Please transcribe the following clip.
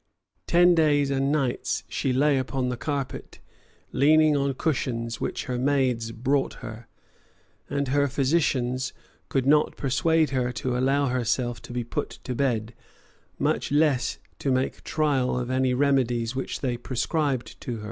Ten days and nights she lay upon the carpet, leaning on cushions which her maids brought her; and her physicians could not persuade her to allow herself to be put to bed, much less to make trial of any remedies which they prescribed to her.